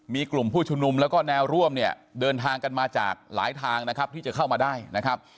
มีกลุ่มผู้ชุมนุมแล้วก็แนวร่วมเนี่ยเดินทางกันมาจากหลายทางนะครับที่จะเข้ามาได้นะครับ